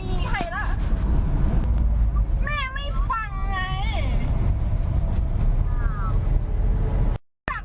เอาอย่างอยู่แล้ว